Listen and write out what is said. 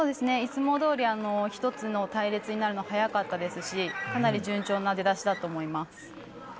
いつもどおり１つの隊列になるのが早かったですしかなり順調な出だしだと思います。